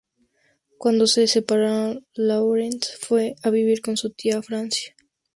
Cuando se separaron, Lawrence fue a vivir con su tía a Francia.